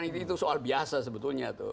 itu soal biasa sebetulnya tuh